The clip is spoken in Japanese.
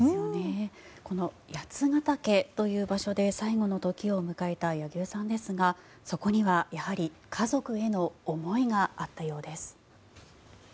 この八ケ岳という場所で最期の時を迎えた柳生さんですが、そこにはやはり家族への思いがあったようです。